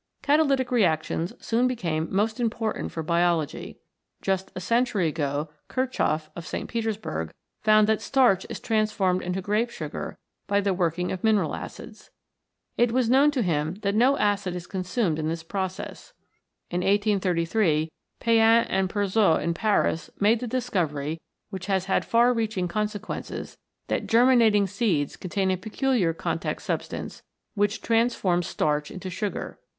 Cata lytic reactions soon became most important for biology. Just a century ago Kirchhoff, of St. Petersburg, found that starch is transformed into grape sugar by the working of mineral acids. It was known to him that no acid is consumed in this process. In 1833 Payen and Persoz in Paris made the discovery, which has had far reaching consequences, that germinating seeds contain a peculiar contact substance, which transforms starch into sugar.